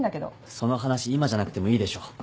その話今じゃなくてもいいでしょ。